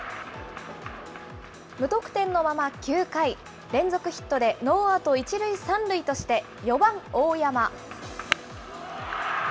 無得点のまま９回、連続ヒットでノーアウト１塁３塁として、４番大山。